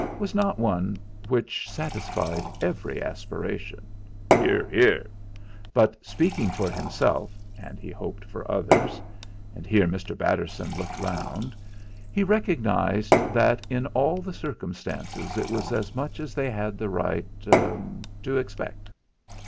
was not one which satisfied every aspiration (Hear, hear!), but speaking for himself, and he hoped for others and here Mr. Batterson looked round he recognised that in all the circumstances it was as much as they had the right er to expect.